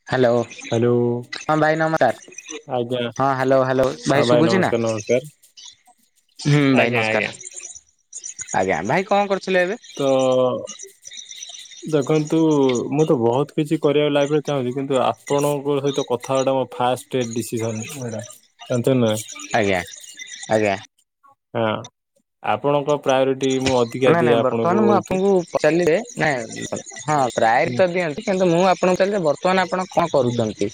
[inaudible] Hello ହଁ, ଆଜ୍ଞା hello hello ହଁ ଭାଇ ଶୁଭୁଚି ନା? ନମସ୍କାର ନମସ୍କାର ଆଜ୍ଞା ଆଜ୍ଞା ଆଜ୍ଞା, ଭାଇ କ'ଣ କରୁଥିଲେ ଏବେ? ତ ଦେଖନ୍ତୁ ମୁଁ ତ ବହୁତ୍ କିଛି କରିବାକୁ ଲାଇଫ୍ ରେ ଚାହୁଁଚି। କିନ୍ତୁ ଆପଣଙ୍କ ସହିତ କଥା ହବାଟା ଫା [inaudible] ଆଜ୍ଞା ଆଜ୍ଞା। ଆପଣଙ୍କ ପ୍ରାୟରିଟି ମୁଁ ଅଧିକା ନାଇଁ ଦିଏ ନାଇଁ ଆପଣଙ୍କୁ ବର୍ତ୍ତମାନ ମୁଁ ବହୁତ ଆପଣଙ୍କୁ ପଚାର୍ଲି ଯେ, ନାଇଁ ହଁ! ହୁଁ ପ୍ରା ମୁଁ ଆପଣଙ୍କୁ ବର୍ତ୍ତମାନ ଆପଣ କ'ଣ ହୁଁ। କରୁଚନ୍ତି?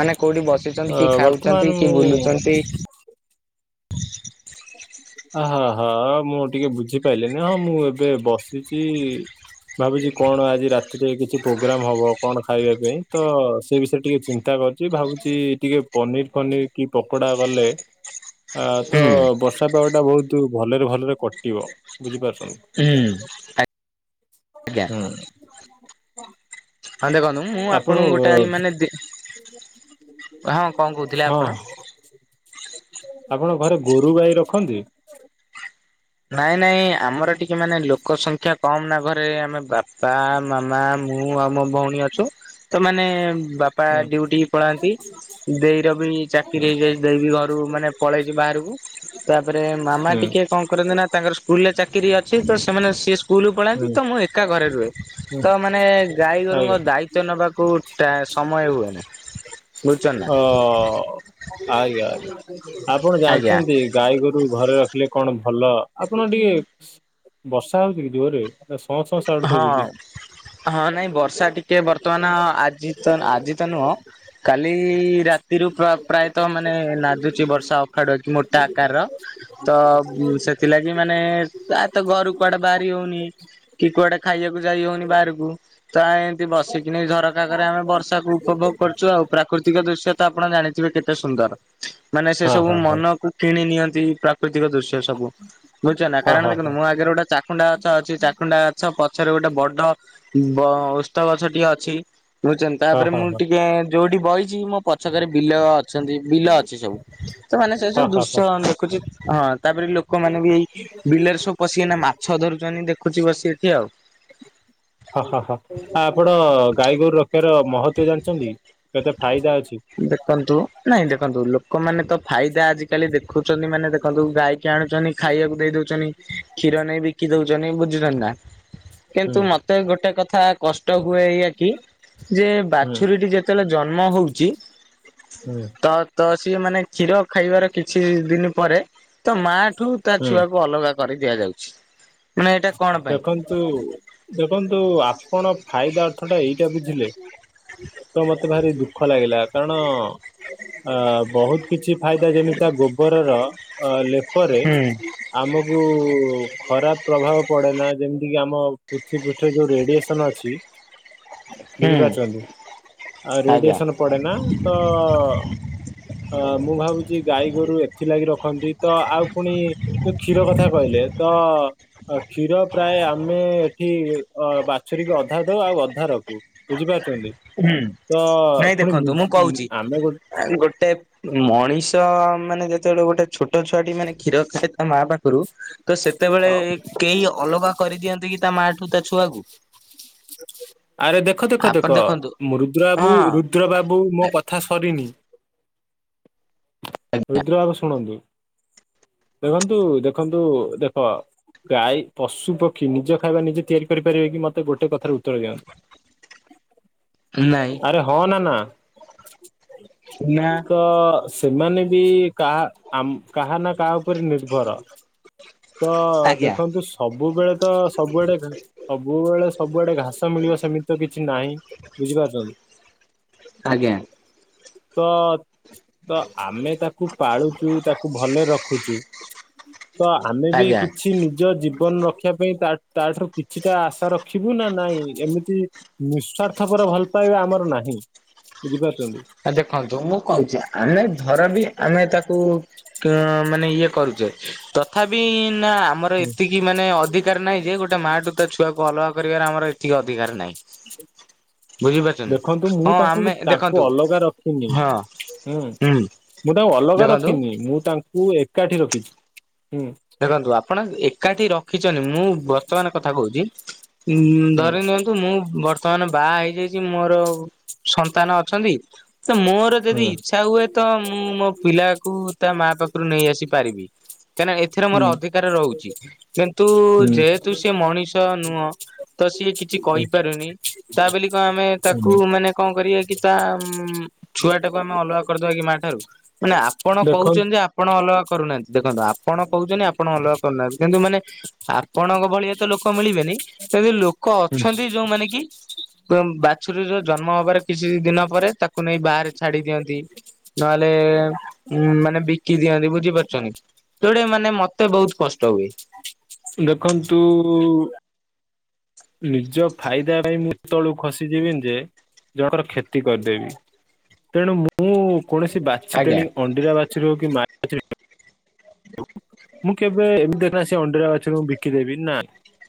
ମାନେ କଉଠି ଅ ବସିଚନ୍ତି, କି ବର୍ତ୍ତମାନ ଖାଉଚନ୍ତି, କି ମୁଁ ବୁଲୁଚନ୍ତି। ମୁଁ ଟିକେ ବୁଝିପାଇଲିନି, ହଁ ମୁଁ ଏବେ ବସିଚି। ଭାବୁଚି କ'ଣ ଆଜି ରାତିରେ କିଛି ପ୍ରୋଗ୍ରାମ ହବ, କ'ଣ ଖାଇବା ପାଇଁ ତ ସେ ବିଷୟରେ ଟିକେ ଚିନ୍ତା କ ଭାବୁଚି ଟିକେ ପନିର୍ ଫନିର୍ କି ପକୋଡ଼ା ତ ହୁଁ ବର୍ଷା ପାଗ ଟା ବହୁତୁ ଭଲରେ ଭଲରେ କଟିବ ବୁଝିପାରୁ ହୁଁ [inaudible] ହଁ ଦେଖନ୍ତୁ, ମୁଁ ଆପଣଙ୍କୁ ହଁ! କ'ଣ କହୁଥିଲେ ଆପଣ? ଆପଣ ଘରେ ଗୁରୁ ଗାଈ ରଖନ୍ତି? ନାଇଁ ନାଇଁ, ଆମର ଟିକେ ମାନେ ଲୋକ ସଂଖ୍ୟା କମ୍ ନା ଘରେ। ଆମେ ବା ବାପ-ମାମା ମୁଁ ଆଉ ମୋ ଭଉଣୀ ଅଛୁ। ତ ମାନେ ବାପା ହୁଁ ଡିଉଟି କି ପଳାନ୍ତି। ଦେଇର ବି ଚାକିରି ହେଇଯାଇଚି, ଦେଇ ବି ଘରୁ ମାନେ ପଳେଇଚି ବାହାରକୁ। ତା'ପରେ ମାମା ହୁଁ ହୁଁ ଟିକେ କ'ଣ କରନ୍ତି ନା ତାଙ୍କର ସ୍କୁଲରେ ଚା କିରି ଅଛି, ତ ସେମାନେ ସିଏ ସ୍କୁଲକୁ ପଳାନ୍ତି ହୁଁ ତ ମୁଁ ଏକା ଘରେ ରୁହେ। ହୁଁ ତ ମାନେ ଆଜ୍ଞା ଗାଈଗୋରୁଙ୍କ ଦାୟି ନବାକୁ ଟା ସମୟ ହୁଏନି। ବୁଝୁଛନ୍ତି ନା ହ ଆଜ୍ଞା ଆଜ୍ଞା। ଆପଣ ଆଜ୍ଞା। ଜାଣିଛନ୍ତି। ଗାଈ ଗୋରୁ ଘରେ ରଖିଲେ କଣ ଭଲ। ଆପଣ ଟିକେ ବର୍ଷା ହଉଛି କି ଜୋରରେ। ସଅଁ ସଅଁ ସାଉଣ୍ଡ ହଁ ସୁବୁଛି। ହଁ ନାଇଁ ବର୍ଷା ଟିକେ ବର୍ତ୍ତମାନ ଆଜି ତ ଆଜି ତ ନୁହଁ। କାଲି ରାତିରୁ ପ୍ର ପ୍ରାୟତଃ ମାନେ ନାଦୁଚି ବର୍ଷା ଅଖାଡୁକ ମୋଟା ଆକାରର। ତ ସେଥିଲାଗି ମାନେ ଆ ତ ଘରୁ କୁଆଡେ ବାହାରି ହଉନି। କି କୁଆଡେ ଖାଇବାକୁ ଯାଇ ହଉନି ବାହାରକୁ। ତ ଏମିତି ବସିକିନି ଝରକା କରେ ଆମେ ବର୍ଷାକୁ ଉପଭୋଗ କରୁଛୁ। ଆଉ ପ୍ରାକୃତିକ ଦୃଶ୍ୟ ତ ଆପଣ ଜାଣିଥିବେ କେତେ ସୁନ୍ଦର। ମାନେ ସେ ହଁ ସବୁ ହଁ ହଁ ମନକୁ କିଣି ନିଅନ୍ତି। ପ୍ରା ପ୍ରାକୃତିକ ଦୃଶ୍ୟ ସବୁ। ବୁଝିଛନା କାରଣ ହଁ ଦେଖୁ ମୋ ଆଗରେ ଗୋଟେ ଚାକୁୁଣ୍ଡା ଗଛ ଅଛି। ଚାଖୁଣ୍ଡା ଗଛ ପଛରେ ଗୋଟେ ବଡ ବ ଓସ୍ତ ଗଛଟିଏ ଅଛି। ବୁଛନ୍ତି ହଁ ତାପରେ ହଁ ମୁଁ ହଁ ହଁ ଟିକେ ଯୋଉଠି ବଇଛି। ମୋ ପଛକରେ ବିଲ ଅଛନ୍ତି ବିଲ ଅଛି ସବୁ। ତ ମାନେ ସେ ହଁ ସବୁ ହଁ ହଁ ଦୃଶ୍ୟ ଦେଖୁଛି ହଁ। ତାପରେ ଲୋକମାନେ ବି ଏଇ ବିଲରେ ସବୁ ପଶିକିନା ମାଛ ଧରୁଛନ୍ତି। ଦେଖୁଛି ବସି ଏଠି ଆଉ। ହଁ ହ ହଁ ଆପଣ ଗାଈ ଗୋରୁ ରଖିବାର ମହତ୍ବ ଜାଣିଛନ୍ତି। କେତେ ଫାଇଦା ଅଛି। ଦେଖନ୍ତୁ ନାଇଁ ଦେଖନ୍ତୁ। ଲୋକମାନେ ତ ଫାଇଦା ଆଜିକାଲି ଦେଖୁ ଛନ୍ତି ମାନେ ଦେଖନ୍ତୁ ଗାଈକି ଆଣୁଛନ୍ତି ଖାଇବାକୁ ଦେଇ ଦଉଛନ୍ତି। କ୍ଷୀର ନେଇ ବିକି ଦଉଛନ୍ତି ବୁଝୁଛନ୍ତି ନା। ଛ ହୁଁ କିନ୍ତୁ ମତେ ଗୋଟେ କଥା କଷ୍ଟ ହୁଏ। ଏଇଆ କି ଯେ ହୁଁ ବାଛୁରୀଟି ଯେତେବେଳେ ଜନ୍ମ ହଉଛି। ହୁଁ ତ ତ ସିଏ ମାନେ କ୍ଷୀର ଖାଇବାର କିଛି ଦିନ ପରେ ତ ମା ଠୁ ତା ହୁଁ ଛୁଆକୁ ଅଲଗା କରି ଦିଆଯାଉଛି। ମାନେ ଏଇଟା କଣ ପାଇଁ? ତୁ ଦେଖନ୍ତୁ ଆପଣ ଫାଇଦା ଅର୍ଥ ଟା ଏଇଟା ବୁଝିଲେ। ତ ମତେ ଭାରି ଦୁଃଖ ଲାଗିଲା। କାରଣ ଅ ବହୁତ କିଛି ଫାଇଦା ଯେମିତି ଗୋବରର ଲେପରେ ହୁଁ ଆମକୁ ଖରାପ ପ୍ରଭାବ ପଡେ ନା। ଯେମିତି କିି ଆମ ପୃଥିବି ପୁଷ୍ଟରେ ଯୋଉ ରେଡିଏସନ ଅଛି। ହୁଁ ବୁଝିପାରୁଛନ୍ତି। ଆଉ ଆଜ୍ଞା। ରେଡିଏସନ ପଡେ ନା। ତ ଅ ମୁଁ ଭାବୁଛି। ଗାଈ ଗୋରୁ ଏଥିଲାଗି ରଖନ୍ତି। ତ ଆଉ ପୁଣି ଯୋଉ କ୍ଷୀର କଥା କହିଲେ। ତ ଆ କ୍ଷୀର ପ୍ରାୟ ଆମେ ଏଠି ଅ ବାଛୁରୀକୁ ଅଧା ଦଉ। ଆଉ ଅଧା ରଖୁ। ବୁଝିପାରୁଛନ୍ତି। ହୁଁ ତ ନାଇଁ ପୁଣି ଦେଖନ୍ତୁ ମୁଁ କହୁଛି। ଆମେ ଗୋଟେ ଗୋଟେ ମଣିଷ ମାନେ ଯେତେବେଳେ ଗୋଟେ ଛୋଟ ଛୁଆଟି ମାନେ କ୍ଷୀର ଖାଏ ତା ମା ପା ରୁ ତ ସେତେବେଳେ କେହି ଅଲଗା କରିଦିଅନ୍ତି କି ତା ମା ଠୁ ତା ଛୁଆକୁ। ଆରେ ଦେଖ ଦେଖ ଆପଣ ଦେଖ ଦେଖନ୍ତୁ ମୁ ରୁଦ୍ର ବାବୁ ରୁଦ ହଁ ରୁଦ୍ର ବାବୁ ମୋ କଥା ସରିନି। ରୁଦ୍ର ବାବୁ ଶୁଣନ୍ତୁ। ଦେଖନ୍ତୁ ଦେଖନ୍ତୁ ଦେଖ। ଗାଈ ପଶୁ ପକ୍ଷୀ ନିଜ ଖାଇବା ନିଜ ତିଆରି କରିପାରିବେ କି ମତେ ଗୋଟେ କଥାରେ ଉତ୍ତର ଦିଅନ୍ତୁ। ନାଇଁ। ଆରେ ହଁ ନା ନା। ନା ତ‌ ସେମାନେ ବି କାହା କାହା ନା କାହା ଉପରେ ନିର୍ଭର। ତ ଆଜ୍ଞା ଦେଖନ୍ତୁ ସବୁବେଳେ ତ ସବୁଆଡେ ସବୁବେଳେ ସବୁଆଡେ ଘାସ ମିଳିବ ସେମିତି କିଛି ନାହିଁ ବୁଝିପାରୁଛନ୍ତି। ଆଜ୍ଞା ତ ତ ଆମେ ତାକୁ ପାଳୁଛୁ ତାକୁ ଭଲ ରଖୁଛୁ। ତ ଆମେ ବି ଆଜ୍ଞା। କିଛି ନିଜ ଜୀବନ ରଖି ରଖିବା ପାଇଁ ତାଠାରୁ କିଛିଟା ଆଶା ର ଦେଖିବୁ ନା ନାଇଁ। ଏମିତି ନିଃସ୍ଵାର୍ଥ ପରେ ଭଲ ପାଇବା ଆମର ନାହିଁ। ବୁଝିପାରୁଛନ୍ତି। ଆ ଦେଖନ୍ତୁ ମୁଁ କହୁଛି। ଆମେ ଧର ବି ଆମେ ତାକୁ କ ମାନେ ଇଏ କରୁଚେ ତଥାପି ନା ଆମର ହୁଁ। ଏତି କି ମାନେ ଅଧିକାର ନାହିଁ ଯେ ଗୋଟେ ମାଠୁ ତା ଛୁଆକୁ ଅଲଗା କରିବାର ଆମର ଏତିକି ଅଧିକାର ନାହିଁ। ବୁଝିପାରୁଛନ୍ତି ଦେଖନ୍ତୁ ମୁଁ ହଁ ତାଙ୍କୁ ଆମେ ତାଙ୍କୁ ଦେଖନ୍ତୁ ଅଲଗା ରଖିନି। ଇ ହଁ ଉଁ ହୁଁ ମୁଁ ତାଙ୍କୁ ଅଲଗା ଦେଖନ୍ତୁ ରଖିନି ମୁଁ ତାଙ୍କୁ ଏ ଏକାଠି ରଖିଛି ହୁଁ। ଦେଖନ୍ତୁ ଆପଣ ଏକାଠି ରଖିଚନ୍ତି ମୁଁ ବର୍ତ୍ତମାନ କଥା କହୁଚି। କିନ୍ ହୁଁ ଧରିନିଅନ୍ତୁ ମୁଁ ବର୍ ତ ମାନେ ବାହା ହେଇଯାଇଚି ମୋର ସନ୍ତାନ ଅଛନ୍ତି ତ ମୋର ଯଦି ହୁଁ ଇଚ୍ଛା ହୁଏ ତ ମୁଁ ମୋ ପିଲାକୁ ତା ମାଆ ପାଖରୁ ନେଇ ଆସିପାରିବି କାହିଁକିନା ଏ ଏଥିରେ ମୋର ହୁଁ ଅଧିକାର ରହୁଚି କିନ୍ତୁ ଯେହେତୁ ସିଏ ମଣିଷ ନୁହଁ ତ ସିଏ କିଛି ହୁଁ କହିପାରୁନି ତା ବୋଲି କଣ ଆମେ ତାକୁ ହୁଁ ମାନେ କଣ କରିବା କି ତା ଉମ୍ ଛୁଆଟାକୁ ଆମେ ଅଲଗା କରିଦବା କି ମାଠାରୁ। ମାନେ ଆପଣ ଦେଖନ୍ତୁ କହୁଚନ୍ତି ଯେ ଆପଣ ଅଲଗା କରୁନାହାନ୍ତି ଦେଖନ୍ତୁ ଆପଣ କୋହୁଚନ୍ତି ଆପଣ ଅଲଗା କରୁନାହାନ୍ତି କିନ୍ତୁ ମାନେ ଆପଣଙ୍କ ଭଳିଆ ତ ଲୋକ ମିଳିବେନି ତେବେ ଲୋ ଲୋକ ଅଛନ୍ତି ଯୋଉମାନେ କି ତମ୍ ବାଛୁରୀର ଜନ୍ମ ହବାର କିଛି ଦିନ ପରେ ତାକୁ ନେଇ ବାହାରେ ଛାଡିଦିଅନ୍ତି ନହେଲେ ଉଁ ମାନେ ବିକିଦିଅନ୍ତି ବୁଝିପାରୁଚନ୍ତି। ଯୋଉଟା କି ମାନେ ମତେ ବୋହୁତ କଷ୍ଟ ହୁଏ। ଦେଖନ୍ତୁ ନିଜ ଫାଇଦା ପାଇଁ ମୁଁ ଏତ ତଳକୁ ଖସିଯିବିନ ଯେ ଜଣଙ୍କର କ୍ଷତି କରିଦେବି। ତେଣୁ ମୁଁ କୌଣସି ବାଛି ଆଜ୍ଞା ତେଣିକି ଅଣ୍ଡିରା ବାଛୁରୀ ହୋଉ କି ମାଇ ବାଛୁରୀ ମୁଁ କେବେ ଏମି ଦେ ନା ସେ ଅଣ୍ଡିରା ବାଛୁରୀକୁ ବିକିଦେବି ନା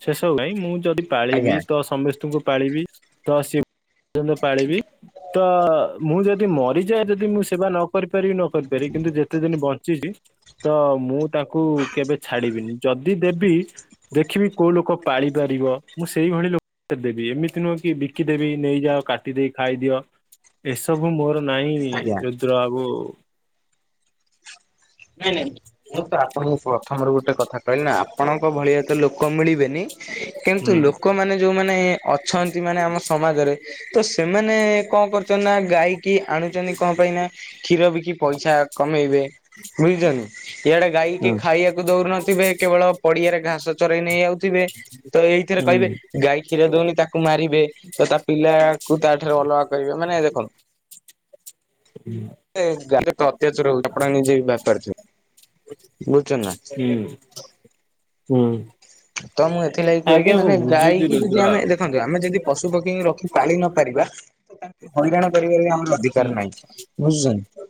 ସେ ସବୁ ନାଇଁ ମୁଁ ଯଦି ଆଜ୍ଞା ପାଳିବି ତ ସମସ୍ତେଙ୍କୁ ପାଳିବି ତ ସି ପର୍ଯ୍ୟନ୍ତ ପାଳିବି। ତ ମୁଁ ଯଦି ମରିଯାଏ ଯଦି ମୁଁ ସେବା ନ କରିପାରିବି ନ କରିପାରିବି କିନ୍ତୁ ଯେତେ ଦିନ ବଞ୍ଚିଚି ତ ମୁଁ ତାକୁ କେବେ ଛାଡିବିନି। ଯଦି ଦେବି ଦେଖିବି କୋଉ ଲୋକ ପାଳିପାରିବ ମୁଁ ସେଇଭଳି ଲୋ ଦେବି ଏମିତି ନୁହଁ କି ବିକିଦେବି ନେଇଯାଅ କାଟି ଦେଇ ଖାଇଦିଅ ଏସବୁ ମୋର ନାହିଁ ଆଜ୍ଞା। ରୁଦ୍ରବାବୁ। ନାଇଁ ନାଇଁ ମୁଁ ତ ଆପଣଙ୍କୁ ପ୍ରଥମରୁ ଗୋଟେ କଥା କହିଲି ନା ଆପଣଙ୍କ ଭଳିଆ ତ ଲୋକ ମିଳିବେନି କିନ୍ତୁ ହୁଁ। ଲୋକମାନେ ଯୋଉମାନେ ଅଛନ୍ତି ମାନେ ଆମ ସମାଜରେ ତ ସେମାନେ କଣ କରୁଚନ୍ତି ନା ଗାଇକି ଆଣୁଚନ୍ତି କଣ ପାଇଁ ନା କ୍ଷୀର ବିକି ପଇସା କମେଇବେ ବୁଝୁଚନ୍ତି ଇଆଡେ ଗାଈକି ହୁଁ ଖାଇବାକୁ ଦୋଉନ ଥିବେ କେବଳ ପଡିଆରେ ଘାସ ଚରେଇ ନେଇଯାଉଥିବେ ତ ଏଇଥିରେ ହୁଁ କହିବେ ଗାଈ କ୍ଷୀର ଦୋଉନି ତାକୁ ମାରିବେ ତ ତା ପିଲାକୁ ତାଠାରୁ ଅଲଗା କରିବେ ମାନେ ଦେଖନ୍ତୁ [inaudible] ଏ ଗାଈର ତ ଅତ୍ୟାଚାର ହୋଉଚି ଆପଣ ନିଜେ ଭାବିପାରୁଥିବେ ବୁଝଚନ୍ତି ନା ହୁଁ। ହୁଁ। ତ ମୁଁ ଏଥିଲାଗି କହିଲି ଆଜ୍ଞା ମୁଁ ମାନେ ବୁଝୁଛି ଗାଈକି ରୁଦ୍ର ଯଦି ଆମେ ବାବୁ ଦେଖନ୍ ଆମେ ଯଦି ପଶୁ ପକ୍ଷୀଙ୍କି ରଖି ପାଳି ନ ପାରିବା ତ ତାଙ୍କୁ ହଇରାଣ କରିବାରେ ବି ଆମ ହୁଁ ଅଧିକାର ନାହିଁ ବୁଝୁଚନ୍ତି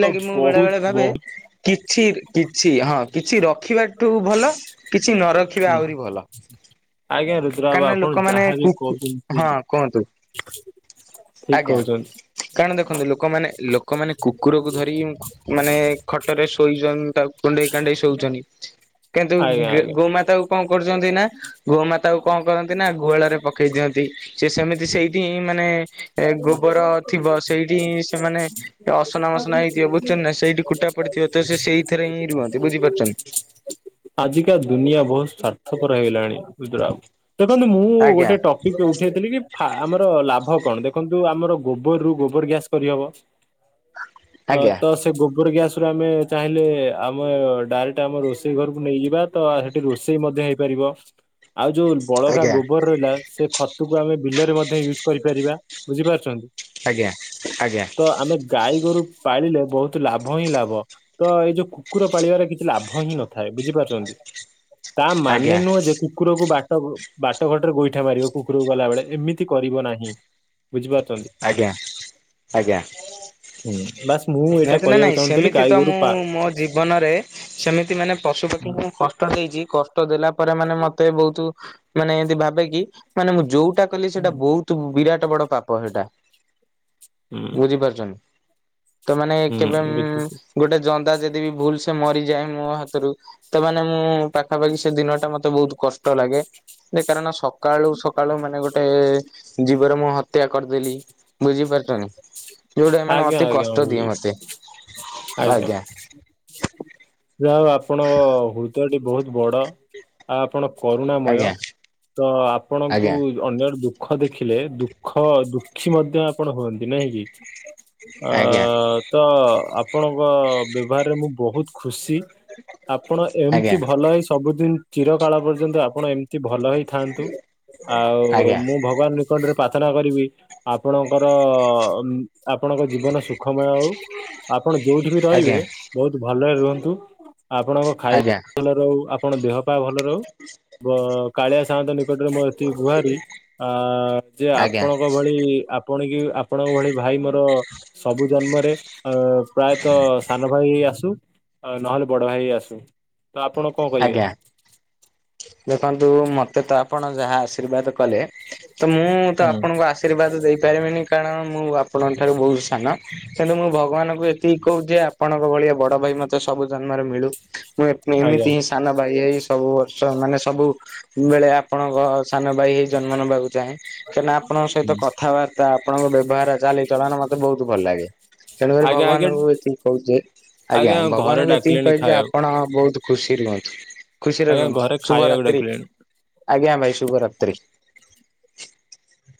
ତ ମୁଁ ବହୁତ ବେଳେବେଳେ ଭାବେ ବହୁତ କିଛି କିଛି ହଁ କିଛି ରଖିବାଠୁ ଭଲ କିଛି ନରଖିବା ହୁଁ ଆହୁରି ଭଲ। ଆଜ୍ଞା ରୁଦ୍ରବାବୁ କାହିଁକି ନା ଆପଣ ଲୋକମାନେ ଯାହାବି କୁକୁ କୋହୁଚନ୍ତି ହଁ କୁହନ୍ତୁ ଆଜ୍ଞା କାରଣ ଦେଖନ୍ତୁ ଲୋକମାନେ ଲୋକମାନେ କୁକୁରକୁ ଧରି ମାନେ ଖଟରେ ଶୋଇଛନ୍ ତାକୁ କୁଣ୍ଢଇ କାଣ୍ଢଇ ଶୋଉଚନ୍ତି। କାଇଁତ ଆଜ୍ଞା ଗା ଆଜ୍ଞା ଗୋମାତାକୁ କଣ କରୁଚନ୍ତି ନା ଗୋମାତାକୁ କଣ କରନ୍ତି ନା ଗୁହାଳରେ ପକେଇଦିଅନ୍ତି ସେ ସେମିତି ସେଇଠ ହିଁ ମାନେ [inaudible] [inaudible] ଗୋବର ଥିବ ସେଇଠି ସେମାନେ ଅସନା ମସନା ହେଇଥିବ ବୁଝୁଛନ୍ତି ନା ସେଇଠି କୁଟା ପଡିଥିବ ତ ସେ ସେଇଥିରେ ହିଁ ରୁହନ୍ତି ବୁଝିପାରୁଛନ୍ତି ଆଜିକା ଦୁନିଆ ବହୁତ ସ୍ୱାର୍ଥପର ହେଇଗଲାଣି ରୁଦ୍ର ବାବୁ ଦେଖନ୍ତୁ ମୁଁ ଆଜ୍ଞା ଗୋଟେ ଟକ୍ ଟିକ ଉଠେଇଥିଲି କି ଆମର ଲାଭ କଣ ଦେଖନ୍ତୁ ଆମର ଗୋବର ରୁ ଗୋବର ଗ୍ୟାସ କରିହବ। ଅ ଆଜ୍ଞା ତ ସେ ଗୋବର ଗ୍ୟାସ ଏଥିରୁ ଆମେ ଚାହିଁଲେ ଆମେ ଡାଇରେକ୍ଟ ଆମ ରୋଷେଇ ଘରକୁ ନେଇଯିବା ତ ହେଠି ରୋଷେଇ ପାରିବ। ଆଉ ଯୋଉ ବଳକା ଆଜ୍ଞା ଗୋବର ରହିଲା ସେ ଖତକୁ ଆମେ ବିଲରେ ମଧ୍ୟ ୟୁଜ୍ କରିପାରିବା। ବୁଝିପାରୁଛନ୍ତି। ଆଜ୍ଞା ଆଜ୍ଞା। ତ ଆମେ ଗାଈ ଗୋରୁ ପାଳିଲେ ବହୁତ ଲାଭ ହିଁ ଲାଭ। ତ ଏଇ ଯୋଉ କୁକୁର ପାଳିବାରେ କିଛି ଲାଭ ହିଁ ନଥାଏ ବୁଝିପାରୁଛନ୍ତି। ତା ମାନେ ଆଜ୍ଞା ନୁହଁ ଯେ କୁ କୁକୁରକୁ ବାଟ ବାଟ ଘାଟରେ ଗୋଇଠା ମାରିବ କୁକୁରକୁ ଗଲାବେଳେ ଏମିତି କରିବ ନାହିଁ। ବୁଝିପାରୁଛନ୍ତି। ଆଜ୍ଞା ଆଜ୍ଞା। ହୁଁ ବାସ୍ ମୁଁ ଏଇଟା ନିହାତି ନା ନାଇଁ କହିବାକୁ ଚାହୁଁଥିଲି ସେମିତି ତ ଗାଈଗୋରୁ ମୁଁ ପା ମୋ ଜୀବନରେ ସେମିତି ମାନେ ପଶୁପକ୍ଷୀଙ୍କୁ କ କଷ୍ଟ ଦେଇଛି କଷ୍ଟ ଦେଲା ପରେ ମାନେ ମତେ ବହୁତୁ ମାନେ ଏମତି ଭାବେ କିି ମାନେ ମୁଁ ଯୋଉଟା କଲି ସେଇଟା ବହୁତ୍ ବିରାଟ ବଡ ପାପ ହେଟା। ହୁଁ। ବୁଝିପାରିଛନ୍ତି ତା ମାନେ ହୁଁ କେବେ ମ୍ ବୁଝୁଛି ଗୋଟେ ଜନ୍ଦା ଯଦି ବି ଭୁଲ୍ ସେ ମରିଯାଏ ମୋ ହାତରୁ ତା ମାନେ ମୁଁ ପାଖାପାଖି ସେ ଦିନ ଟା ମତେ ବହୁତ କଷ୍ଟ ଲାଗେ। ସେ କାରଣ ସକାଳୁ ସକାଳୁ ମାନେ ଗୋଟେ ଏ ଯିବରେ ମୁଁ ହତ୍ୟା କରିଦେଲି ବୁଝିପାରୁଛନ୍ତି। ଯୋଉଟା ଏ ମାନେ ଆଜ୍ଞା ଅତି ଆଜ୍ଞା ମୁଁ କଷ୍ଟ ଦିଏ ବୁଝୁଛି ମତେ। ଆଜ୍ଞା ଯାହାହଉ ଆପଣଙ୍କ ହୃଦୟଟି ବହୁତ ବଡ ଆ ଆପଣ କରୁଣାମୟ ଆଜ୍ଞା ତ ଆପଣଙ୍କୁ ଆଜ୍ଞା। ଅନ୍ୟର ଦୁଃଖ ଦେଖିଲେ ଦୁଃଖ ଦୁଃଖୀ ମଧ୍ୟ ଆପଣ ହୁଅନ୍ତି ନା କି? ଅ ଆଜ୍ଞା ତ ଆପଣଙ୍କ ବ୍ୟବହାରରେ ମୁଁ ବହୁତ ଖୁସି।। ହ [unintelligible] ଆପଣ ଏମିତି ଭଲ ହେଇ ସବୁଦିନ ଚିର କଳ ପର୍ଯ୍ୟନ୍ତ ଆପଣ ଏମିତି ଭଲ ହେଇଥାଆନ୍ତୁ। ଆଉ ଆଜ୍ଞା ମୁଁ ଭଗବାନ ନିକଟରେ ପ୍ରାର୍ଥନା କରିବି ଆପଣଙ୍କର ଆପଣଙ୍କ ଜୀବନ ସୁଖମୟ ହଉ। ଆପଣ ଯୋଉଠି ବି ରହିବେ ଆଜ୍ଞା ବହୁତ ଭଲରେ ରୁହନ୍ତୁ ଆପଣଙ୍କ ଆଜ୍ଞା ଆଜ୍ଞା ଖାଇବା ଭଲରେ ରହୁ ଆପଣ ଆପଣ ଦେହ ପା ଭଲ ରହୁ, ପ କାଳିଆ ସାହାନ୍ତ ନିକଟରେ ମୁଁ ଏତିକି ଗୁହାରି ଆ ଯେ ଆଜ୍ଞା ଆପଣଙ୍କ ଭଳି ଆପଣ କି ଆପଣଙ୍କ ଭଳି ଭାଇ ମୋର ସବୁ ଜନ୍ମରେ ଅ ପ୍ରାୟତଃ ସାନ ଭାଇ ଆସୁ ଆ ନହେଲେ ବଡ ଭାଇ ଆସୁ। ତ ଆପଣ କଣ କହିବେ? ଆଜ୍ଞା। ଦେଖନ୍ତୁ ମତେ ତ ଆପଣ ଯାହା ଆଶୀର୍ବାଦ କଲେ ତ ମୁଁ ତ ହୁଁ ଆପଣଙ୍କୁ ଆଶ ଆଶୀର୍ବାଦ ଦେଇପାରିବିନି କାରଣ ମୁଁ ଆପଣଙ୍କ ଠାରୁ ବହୁତ ସାନ କିନ୍ତୁ ମୁଁ ଭଗବାନଙ୍କୁ ଏତିକି କହୁଛି ଯେ ଆପ ଆପଣଙ୍କ ଭଳିଆ ବଡ଼ ଭାଇ ମତେ ସବୁ ଜନ୍ମରେ ମିଳୁ। ମୁଁ ଆଜ୍ଞା ଏମିତି ହିଁ ସାନ ଭାଇ ହୋଇ ସବୁ ବର୍ଷ ମାନେ ସବୁ ବେଳେ ଆପଣଙ୍କ ସାନ ଭାଇ ହେଇ ଜନ୍ମ ନେବାକୁ ଚାହେଁ। କାହିଁକିନା ଆପଣଙ୍କ ସହିତ କଥାବାର୍ତ୍ତା ଆପଣଙ୍କ ବ୍ୟବହାର ଚାଲିଚଳନ ମତେ ବହୁତ ଭଲ ଲାଗେ। ତେଣୁକରି ଆଜ୍ଞା ଆଜ୍ଞା ଭଗବାନଙ୍କୁ ଏତିକି କହୁଛି ଯେ ଆଜ୍ଞା ଘରେ ଭଗବାନଙ୍କୁ ଏତିକି ଡାକିଲେଣି କହିଚି ଯେ ଖାଇବାକୁ। ଆପଣ ବହୁତ ଖୁସିରେ ରୁହନ୍ତୁ, ଖୁସିରେ ଆଜ୍ଞା ରୁହନ୍ତୁ ଘରେ ଖାଇବାକୁ ଶୁଭରାତ୍ରି ଡାକିଲେଣି। ଆଜ୍ଞା ଭାଇ ଶୁଭରାତ୍ରି।